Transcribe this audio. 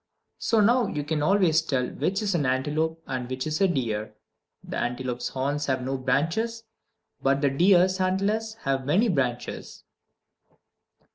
So now you can always tell which is an antelope and which is a deer: the antelope's horns have no branches, but the deer's antlers have many branches.